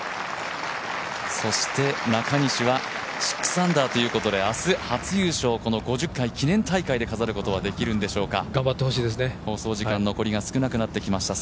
そして中西は６アンダーということで明日初優勝をこの５０回記念大会で飾ることはできるのでしょうか。